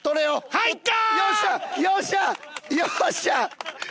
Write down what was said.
入った！